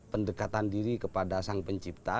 pendekatan diri kepada sang pencipta